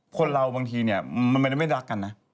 คนเราบางทีเนี่ยมันไม่รักกันนะ